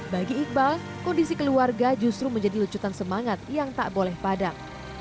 bagi iqbal kondisi keluarga justru menjadi lucutan semangat yang tak boleh padam